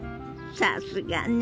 さすがね！